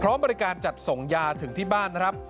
บริการจัดส่งยาถึงที่บ้านนะครับ